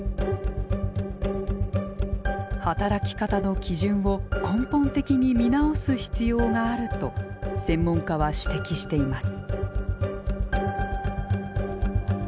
働き方の基準を根本的に見直す必要があると専門家は指摘しています。